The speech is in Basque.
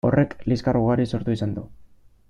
Horrek liskar ugari sortu izan du.